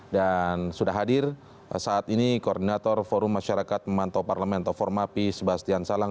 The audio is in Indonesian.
dan sudah hadir saat ini koordinator forum masyarakat memantau parlemento formapi sebastian salang